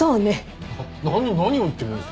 何を何を言ってるんですか。